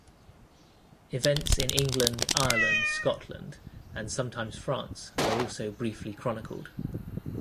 Events in England, Ireland, Scotland and sometimes France are also briefly chronicled.